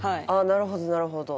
なるほどなるほど。